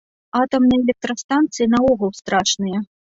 Атамныя электрастанцыі наогул страшныя.